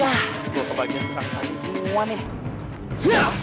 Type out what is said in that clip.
hai gampang sepatu kem eine